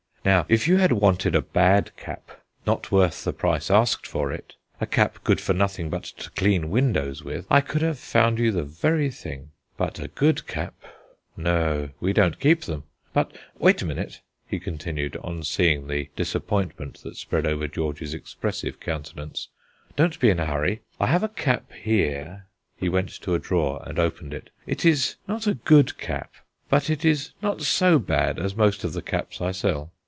Now, if you had wanted a bad cap, not worth the price asked for it; a cap good for nothing but to clean windows with, I could have found you the very thing. But a good cap no; we don't keep them. But wait a minute," he continued, on seeing the disappointment that spread over George's expressive countenance, "don't be in a hurry. I have a cap here" he went to a drawer and opened it "it is not a good cap, but it is not so bad as most of the caps I sell."